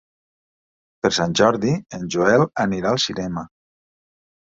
Per Sant Jordi en Joel anirà al cinema.